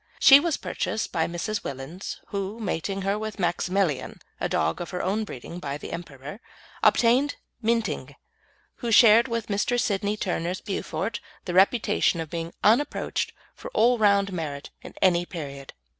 She was purchased by Mrs. Willins, who, mating her with Maximilian (a dog of her own breeding by The Emperor), obtained Minting, who shared with Mr. Sidney Turner's Beaufort the reputation of being unapproached for all round merit in any period.